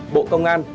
bộ công an